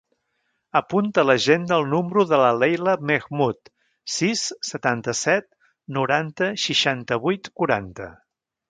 Apunta a l'agenda el número de la Leila Mehmood: sis, setanta-set, noranta, seixanta-vuit, quaranta.